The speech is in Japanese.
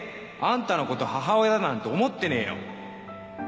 アンタのこと母親なんて思ってねえよ！